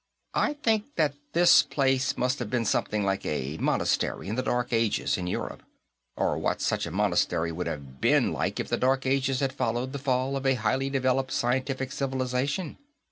I think that this place must have been something like a monastery in the Dark Ages in Europe, or what such a monastery would have been like if the Dark Ages had followed the fall of a highly developed scientific civilization.